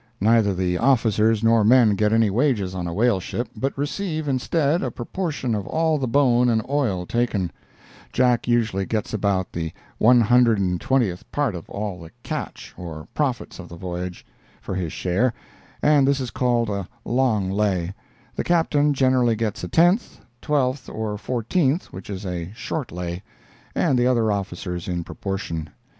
Neither the officers nor men get any wages on a whaleship, but receive, instead, a proportion of all the bone and oil taken; Jack usually gets about the one hundred and twentieth part of all the "catch" (or profits of the voyage), for his share, and this is called a "long lay"; the Captain generally gets a tenth, twelfth or fourteenth, which is a "short lay," and the other officers in proportion.